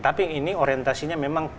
tapi ini orientasinya memang